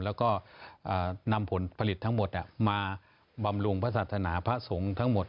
แล้วก็นำผลผลิตทั้งหมดมาบำรุงพระศาสนาพระสงฆ์ทั้งหมด